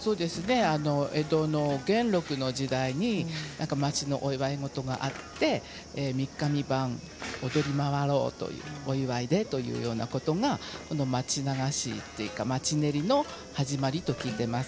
江戸の元禄の時代に町のお祝い事があって三日三晩、踊り回ろうというお祝いでというようなことがこの町流しっていうか、町練りの始まりだと聞いています。